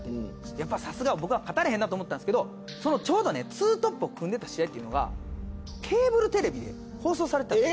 やっぱさすが僕は勝たれへんなと思ったんですけどそのちょうどねツートップを組んでた試合っていうのがケーブルテレビで放送されてたんですよ。